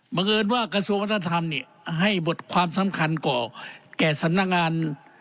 เอิญว่ากระทรวงวัฒนธรรมให้บทความสำคัญก่อแก่สำนักงาน